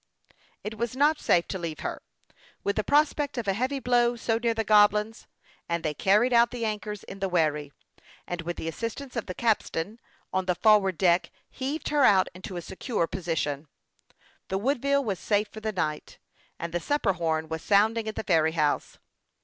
It was not safe to leave her, with the prospect of a heavy blow, so near the Goblins, and they carried out the anchors in the wherry, and with the assistance of the capstan on the forward deck, heaved her out into a secure position. The Woodville was safe for the night, and the supper horn was sounding at the ferry house.